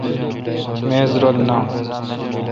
میز رل نام۔